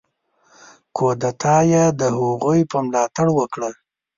کودتا یې د هغوی په ملاتړ وکړه.